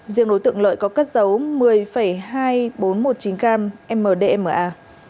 riêng đối tượng lợi có cất dấu một mươi hai nghìn bốn trăm một mươi chín gram mdma